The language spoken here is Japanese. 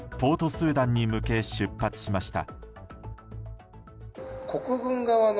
スーダンに向け出発しました。